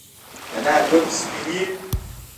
د ناک ګل سپین وي؟